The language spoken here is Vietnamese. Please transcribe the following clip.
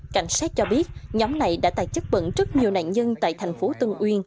cảnh sát cho biết nhóm này đã tạc chất bẩn rất nhiều nạn nhân tại thành phố tân uyên